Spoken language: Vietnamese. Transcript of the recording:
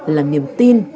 là niềm tin